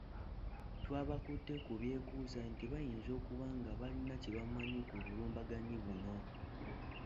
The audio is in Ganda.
Twabakutte ku byekuusa nti bayinza okuba nga balina kye bamanyi ku bulumbaganyi buno.